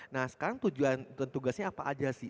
nah sekarang tujuan dan tugasnya apa aja sih